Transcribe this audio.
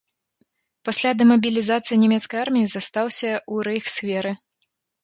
Пасля дэмабілізацыі нямецкай арміі застаўся ў рэйхсверы.